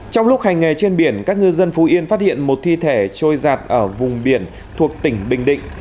trong lúc hành nghề trên biển các ngư dân phú yên phát hiện một thi thể trôi giặt ở vùng biển thuộc tỉnh bình định